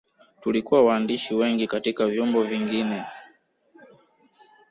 Tulikuwa waandishi wengi kutoka vyombo vingine lakini kutoka Mwananchi nilikuwa mimi